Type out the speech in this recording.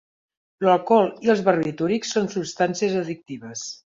L'alcohol i els barbitúrics són substàncies addictives.